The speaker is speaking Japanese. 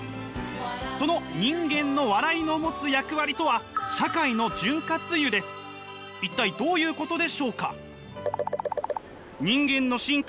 その人間の笑いの持つ役割とは一体どういうことでしょうか？